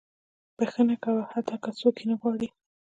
• بښنه کوه، حتی که څوک یې نه غواړي.